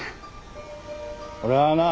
俺はな